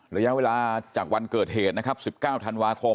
ระยะเวลาจากวันเกิดเหตุนะครับ๑๙ธันวาคม